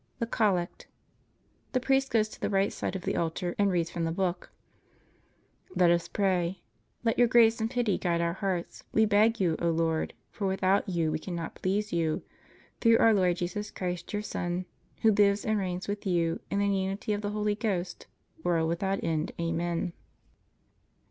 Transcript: THE COLLECT The priest goes to the right side of the altar and reads from the book. *Let us pray: Let Your grace and pity guide our hearts, we beg You, O Lord. For without You we cannot please You. Through Our Lord, Jesus Christ, Your Son, Who lives and reigns with You in the unity of the Holy Ghost, world without end. Amen.